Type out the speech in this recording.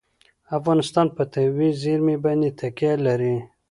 افغانستان په طبیعي زیرمې باندې تکیه لري.